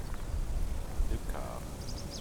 Le quart.